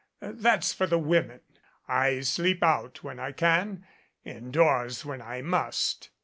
That's for the women. I sleep out when I can indoors when I must."